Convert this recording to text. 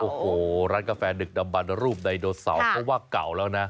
โอ้โหร้านกาแฟนึกดำบันรูปไดโนเสาร์เพราะว่าเก่าแล้วนะ